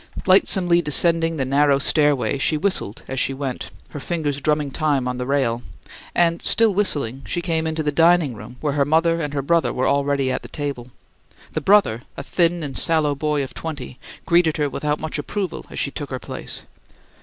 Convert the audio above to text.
Lightsomely descending the narrow stairway, she whistled as she went, her fingers drumming time on the rail; and, still whistling, she came into the dining room, where her mother and her brother were already at the table. The brother, a thin and sallow boy of twenty, greeted her without much approval as she took her place.